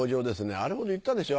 あれほど言ったでしょ？